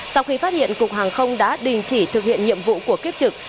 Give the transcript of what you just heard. sau khi phát hiện cục hàng không đã đình chỉ thực hiện nhiệm vụ của kiếp trực